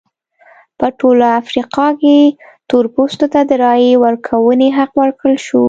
په ټوله افریقا کې تور پوستو ته د رایې ورکونې حق ورکړل شو.